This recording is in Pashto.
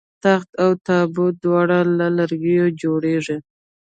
تخت او تابوت دواړه له لرګیو جوړیږي